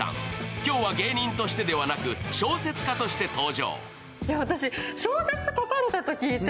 今日は芸人としてではなく、小説家として登場。